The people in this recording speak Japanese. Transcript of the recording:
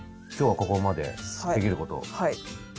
はい。